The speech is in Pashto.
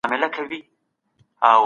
مخکې له ډوډۍ لاسونه ووینځئ.